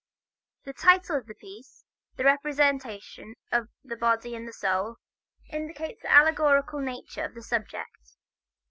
The title of the piece, "The Representation of the Body and the Soul," indicates the allegorical nature of the subject.